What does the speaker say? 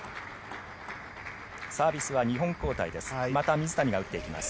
サービスは２本交代です。